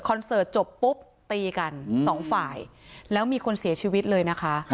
เสิร์ตจบปุ๊บตีกันสองฝ่ายแล้วมีคนเสียชีวิตเลยนะคะ